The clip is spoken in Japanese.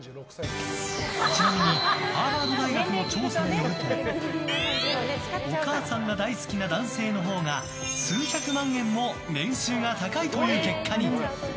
ちなみに、ハーバード大学の調査によるとお母さんが大好きな男性のほうが数百万円も年収が高いという結果に。